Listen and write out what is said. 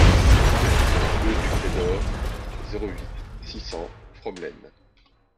Rue du Pré d'Haurs, zéro huit, six cents Fromelennes